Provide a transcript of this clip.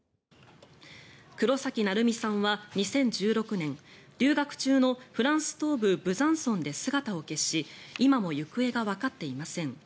黒崎愛海さんは２０１６年留学中のフランス東部ブザンソンで姿を消し今も行方がわかっていません。